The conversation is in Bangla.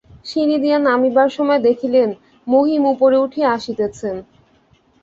সিঁড়ি দিয়া নামিবার সময় দেখিলেন, মহিম উপরে উঠিয়া আসিতেছেন।